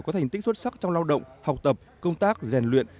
có thành tích xuất sắc trong lao động học tập công tác rèn luyện